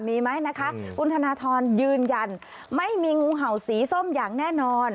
มีไหมนะคะคุณธนทรยืนยันไม่มีงูเห่าสีส้มอย่างแน่นอน